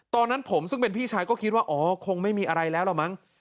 ตอนนั้นผมซึ่งเป็นพี่ชายก็คิดว่าอ๋อคงไม่มีอะไรแล้วล่ะมั้ง